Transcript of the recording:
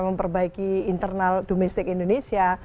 memperbaiki internal domestik indonesia